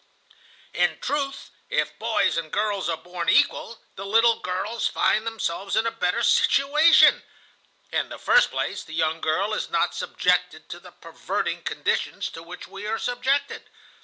"In truth, if boys and girls are born equal, the little girls find themselves in a better situation. In the first place, the young girl is not subjected to the perverting conditions to which we are subjected.